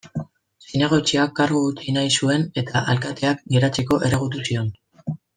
Zinegotziak kargu utzi nahi zuen eta alkateak geratzeko erregutu zion.